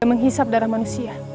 dan menghisap darah manusia